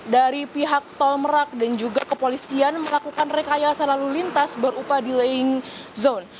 dari pihak tol merak dan juga kepolisian melakukan rekayasa lalu lintas berupa delaying zone